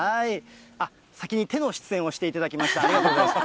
先に手の出演をしていただきました、ありがとうございます。